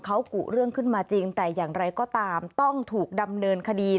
เขากุเรื่องขึ้นมาจริงแต่อย่างไรก็ตามต้องถูกดำเนินคดี